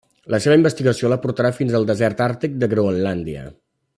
La seva investigació la portarà fins al desert Àrtic de Groenlàndia.